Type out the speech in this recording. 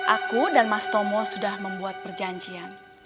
aku dan mas tomo sudah membuat perjanjian